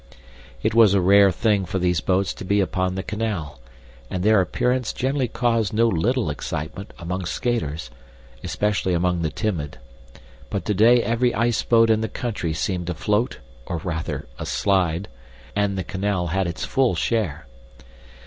It was a rare thing for these boats to be upon the canal, and their appearance generally caused no little excitement among skaters, especially among the timid; but today every iceboat in the country seemed afloat or rather aslide, and the canal had its full share.